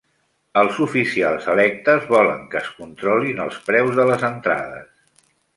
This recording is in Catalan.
Els oficials electes volen que es controlin els preus de les entrades.